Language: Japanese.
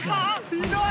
ひどい！